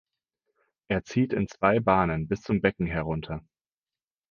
Er zieht in zwei Bahnen bis zum Becken herunter.